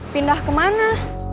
pindah ke mana